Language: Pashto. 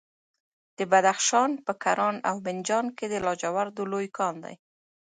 د بدخشان په کران او منجان کې د لاجوردو لوی کان دی.